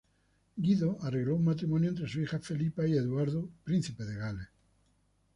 Guido arregló un matrimonio entre su hija Felipa y Eduardo, Príncipe de Gales.